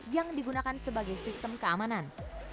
yang digunakan sebagai sistem keamanan